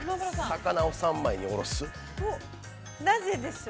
◆魚を三枚におろす。